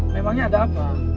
memangnya ada apa